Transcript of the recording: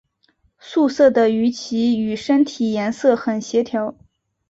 素色的鱼鳍与身体颜色很协调。